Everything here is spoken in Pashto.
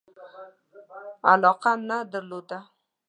علاقه نه درلوده.